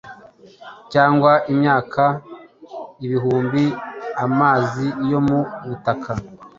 cyangwa imyaka ibihumbi. Amazi yo mu butaka